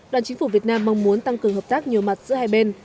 đoàn chính phủ việt nam mong muốn tăng cường hợp tác nhiều mặt giữa hai bên